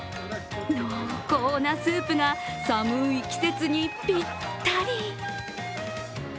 濃厚なスープが寒い季節にぴったり。